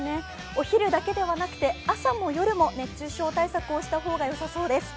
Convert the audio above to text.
お昼だけではなくて朝も夜も熱中症対策をした方がよさそうです。